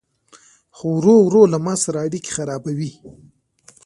خو ورو ورو له ما سره اړيکي خرابوي